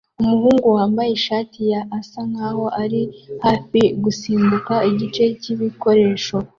Umuhungu wambaye ishati ya asa nkaho ari hafi gusimbuka igice cyibikoresho